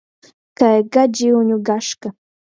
Kai Gadžyuņu gaška!